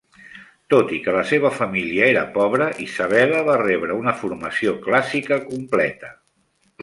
Tot i que la seva família era pobre, Isabella va rebre una formació clàssica completa.